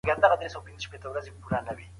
کله باید د بښنې او مهربانۍ لاسونه اوږده کړو؟